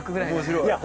面白い。